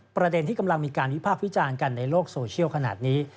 ประเด็นที่กำลังมีการวิพากษ์วิจารณ์กันในโลกโซเชียลขนาดนี้